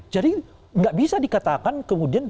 jadi gak bisa dikatakan kemudian